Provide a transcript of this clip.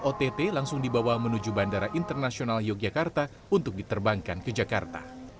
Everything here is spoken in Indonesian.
ott langsung dibawa menuju bandara internasional yogyakarta untuk diterbangkan ke jakarta